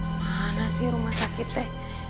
mana sih rumah sakitnya